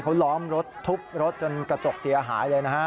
เขาล้อมรถทุบรถจนกระจกเสียหายเลยนะฮะ